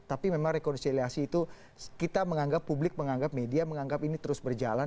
tapi memang rekonsiliasi itu kita menganggap publik menganggap media menganggap ini terus berjalan